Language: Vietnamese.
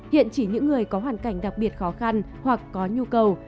hiện chỉ những người có hoàn cảnh đặc biệt khó khăn hoặc có nhu cầu